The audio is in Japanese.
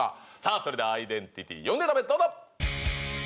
それではアイデンティティ４ネタ目どうぞ！